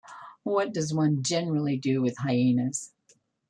What does one generally do with hyaenas?